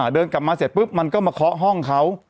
เดินกลับมาเสร็จปุ๊บมันก็มาเคาะห้องเขา